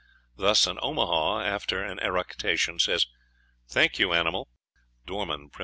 Thus an Omaha, after an eructation, says, "Thank you, animal." (Dorman, "Prim.